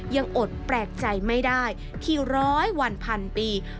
ยังอดแปลกใจไม่ได้ที่ร้อยวันพันปี